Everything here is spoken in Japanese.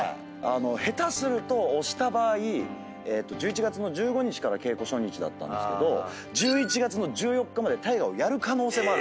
下手すると押した場合１１月１５日から稽古初日だったんですけど１１月１４日まで大河をやる可能性もあると言われていて。